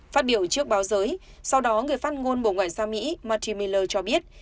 phát biểu trước báo giới sau đó người phát ngôn bộ ngoại giao mỹ marty miller cho biết